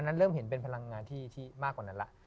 เริ่มเห็นเป็นพลังงานที่มากกว่านั้นแล้ว